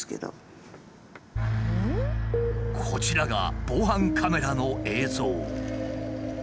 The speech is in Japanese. こちらが防犯カメラの映像。